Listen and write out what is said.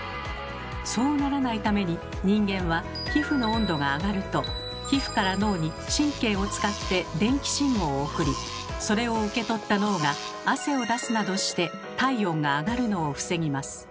そうならないために人間は皮膚の温度が上がると皮膚から脳に神経を使って電気信号を送りそれを受け取った脳が汗を出すなどして体温が上がるのを防ぎます。